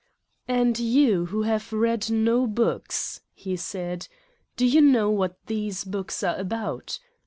"And you who have read no books," he said, "do you know what these books are about?